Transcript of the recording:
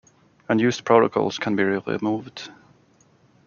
Unused protocols can be removed.